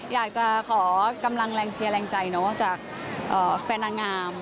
อยากจะขอกำลังแรงเชียร์แรงใจจากแฟนนางงาม